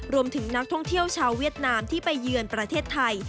รวมถึงนักท่องเที่ยวชาวเวียดนามที่ไปเยือนประเทศไทย